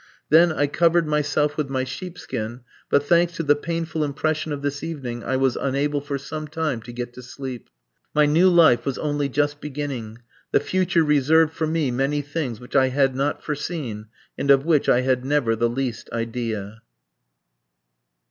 Then I covered myself with my sheepskin, but, thanks to the painful impression of this evening, I was unable for some time to get to sleep. My new life was only just beginning. The future reserved for me many things which I had not foreseen, and of which I had never the least idea.